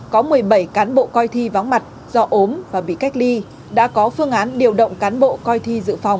có một mươi bảy cán bộ coi thi vắng mặt do ốm và bị cách ly đã có phương án điều động cán bộ coi thi dự phòng